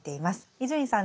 伊集院さん